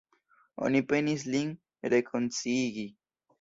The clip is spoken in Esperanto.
Oni penis lin rekonsciigi.